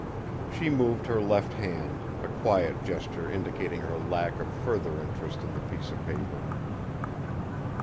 She moved her left hand, a quiet gesture indicating her lack of further interest in the piece of paper.